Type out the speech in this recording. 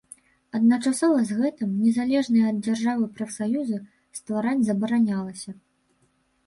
Адначасова з гэтым, незалежныя ад дзяржавы прафсаюзы ствараць забаранялася.